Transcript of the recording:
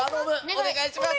お願いします！